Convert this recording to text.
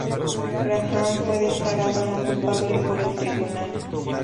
Graham fue declarada no culpable por el tribunal.